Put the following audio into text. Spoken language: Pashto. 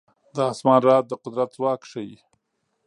د اسمان رعد د قدرت ځواک ښيي.